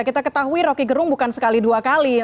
kita ketahui roky gerung bukan sekali dua kali